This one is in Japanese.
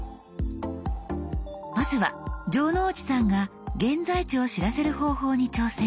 まずは城之内さんが現在地を知らせる方法に挑戦。